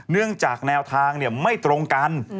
เนื่องจากแนวทางไม่ตรงกัน